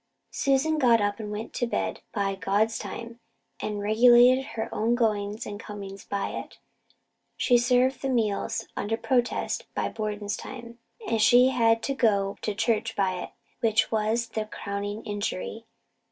Susan got up and went to bed by "God's time," and regulated her own goings and comings by it. She served the meals, under protest, by Borden's time, and she had to go to church by it, which was the crowning injury.